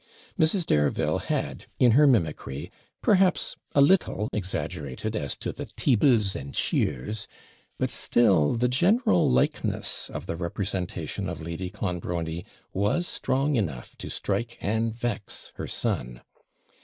Mrs. Dareville had, in her mimickry, perhaps a little exaggerated as to the TEEBLES and CHEERS, but still the general likeness of the representation of Lady Clonbrony was strong enough to strike and vex her son.